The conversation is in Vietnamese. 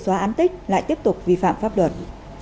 xóa án tích lại tiếp tục vi phạm pháp luật